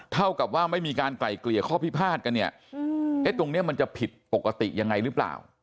เท่ากับว่าไม่มีการไกล่เกลี่ยข้อพิพาทกันเนี่ยตรงนี้มันจะผิดปกติยังไงหรือเปล่า